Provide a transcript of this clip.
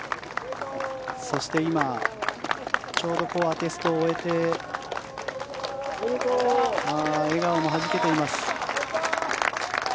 そして今ちょうどアテストを終えて笑顔もはじけています。